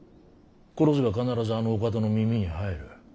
殺せば必ずあのお方の耳に入る。